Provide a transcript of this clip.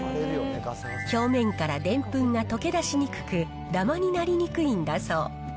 表面からでんぷんが溶け出しにくく、だまになりにくいんだそう。